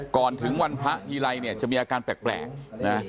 ก่อนถึงวันพระยิไรจะมีอาการแปลก